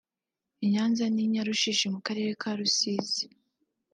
i Nyanza n’Inyarushishi mu karere ka Rusizi